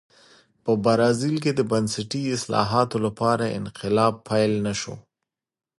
په برازیل کې د بنسټي اصلاحاتو لپاره انقلاب پیل نه شو.